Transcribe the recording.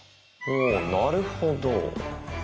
おぉなるほど。